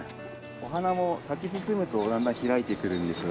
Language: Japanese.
お花も咲き進むとだんだん開いてくるんですが。